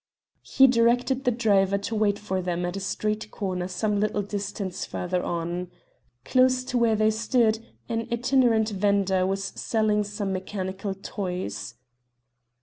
He directed the driver to wait for them at a street corner some little distance further on. Close to where they stood an itinerant vendor was selling some mechanical toys.